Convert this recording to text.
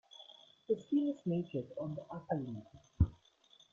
The skin is naked on the upper lip.